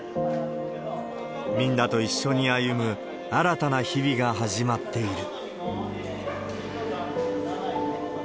みんなと一緒に歩む、新たな日々が始まっている。